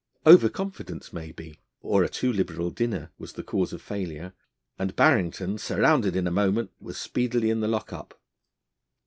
Over confidence, maybe, or a too liberal dinner was the cause of failure, and Barrington, surrounded in a moment, was speedily in the lock up.